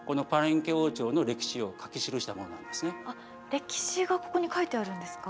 歴史がここに書いてあるんですか？